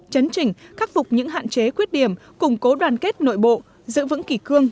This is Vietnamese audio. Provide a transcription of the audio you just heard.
chấn chỉnh khắc phục những hạn chế quyết điểm củng cố đoàn kết nội bộ giữ vững kỷ cương